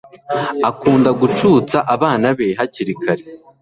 akunda gucutsa abana be hakiri kare